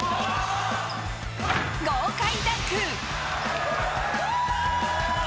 豪快ダンク。